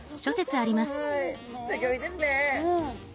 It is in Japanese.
はいすギョいですね。